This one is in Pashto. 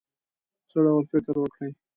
څه ډول فکر وکړی.